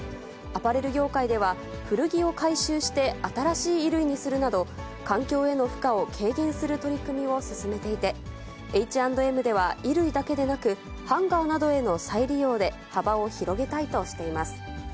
アパレル業界では、古着を回収して新しい衣類にするなど、環境への負荷を軽減する取り組みを進めていて、Ｈ＆Ｍでは、衣類だけでなく、ハンガーなどへの再利用で、幅を広げたいとしています。